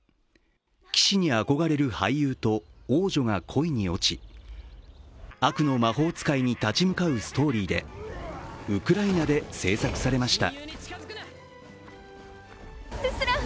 騎士に憧れる俳優と、王女が恋に落ち悪の魔法使いに立ち向かうストーリーでウクライナで制作されました。